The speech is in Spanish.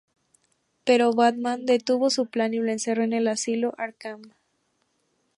Pero Batman detuvo su plan y lo encerró en el Asilo Arkham.